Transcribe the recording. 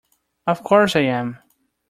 Of course I am!